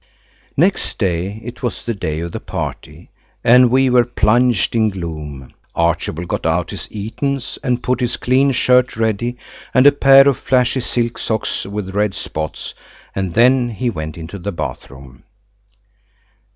Next day it was the day of the party and we were plunged in gloom. Archibald got out his Etons and put his clean shirt ready, and a pair of flashy silk socks with red spots, and then he went into the bath room.